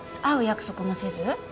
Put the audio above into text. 会う約束もせず？